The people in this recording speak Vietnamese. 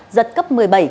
giật cấp một mươi bảy